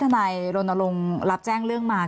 ถนัยโรนโรงรับแจ้งเรื่องมา